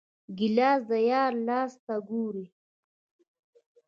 ګیلاس د یار لاس ته ګوري.